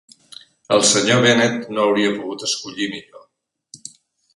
El senyor Bennet no hauria pogut escollir millor.